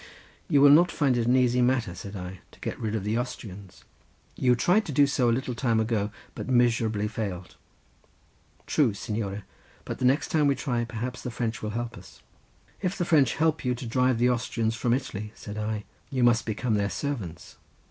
"You will not find it an easy matter," said I, "to get rid of the Austrians: you tried to do so a little time ago, but miserably failed." "True, signore; but the next time we try perhaps the French will help us." "If the French help you to drive the Austrians from Italy," said I, "you must become their servants.